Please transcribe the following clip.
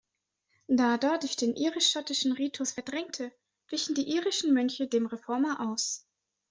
Da er dadurch den irisch-schottischen Ritus verdrängte, wichen die irischen Mönche dem Reformer aus.